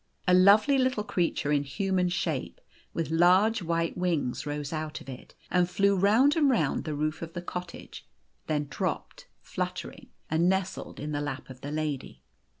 A lovely little creat ure in human shape, with large white wings, rose out of it, and flew round and round the roof of the cottage ; then dropped, fluttering, and nestled in the lap of the lady.